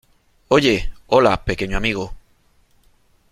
Oye , hola , pequeño amigo .